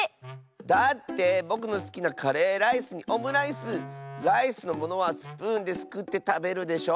だってぼくのすきなカレーライスにオムライスライスのものはスプーンですくってたべるでしょ。